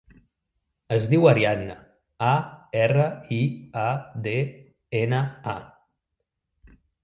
Es diu Ariadna: a, erra, i, a, de, ena, a.